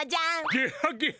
ゲハゲハ！